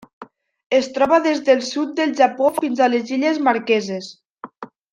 Es troba des del sud del Japó fins a les Illes Marqueses.